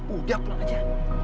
udah pulang aja